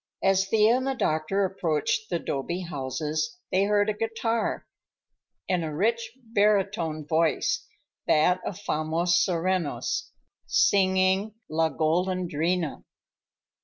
As Thea and the doctor approached the 'dobe houses, they heard a guitar, and a rich barytone voice—that of Famos Serreños—singing "La Golandrina."